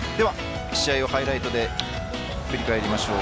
試合をハイライトで振り返りましょう。